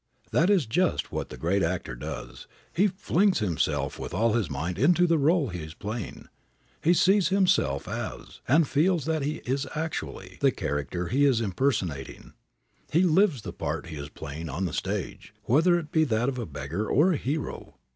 That is just what the great actor does. He flings himself with all his might into the rôle he is playing. He sees himself as, and feels that he is actually, the character he is impersonating. He lives the part he is playing on the stage, whether it be that of a beggar or a hero.